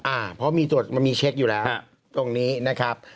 อ่าเพราะมีตรวจมันมีเช็คอยู่แล้วตรงนี้นะครับ